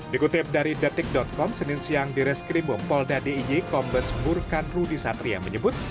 dikutip dari detik com senin siang di reskrim bompol dade iyi kombes burkan rudi satria menyebut